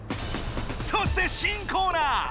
そして新コーナー